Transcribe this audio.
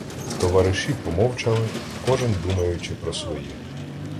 Товариші помовчали, кожен думаючи про своє.